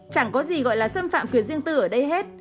chẳng có gì gọi là xâm phạm quyền riêng tư ở đây hết